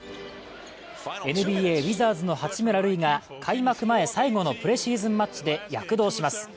ＮＢＡ、ウィザーズの八村塁が開幕前最後のプレシーズンマッチで躍動します。